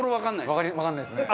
わかんないですね。